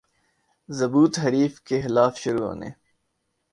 ضبوط حریف کے خلاف شروع ہونے